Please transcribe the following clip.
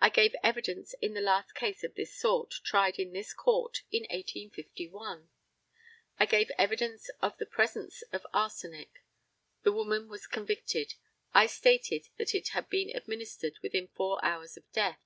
I gave evidence in the last case of this sort, tried in this court in 1851. I gave evidence of the presence of arsenic. The woman was convicted. I stated that it had been administered within four hours of death.